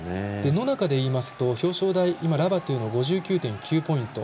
野中でいいますと表彰台ラバトゥが５９．９ポイント。